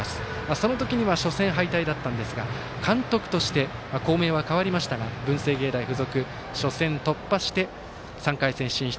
その時には初戦敗退だったんですが監督として校名は変わりましたが文星芸大付属、初戦突破して３回戦進出。